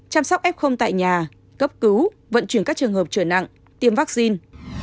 chăm sóc f tại nhà cấp cứu vận chuyển các trường hợp trở nặng tiêm vaccine